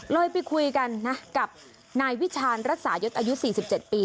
เลยไปคุยกันนะกับนายวิชาณรักษายศอายุ๔๗ปี